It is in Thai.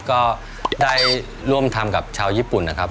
ก็ได้ร่วมทำกับชาวญี่ปุ่นนะครับ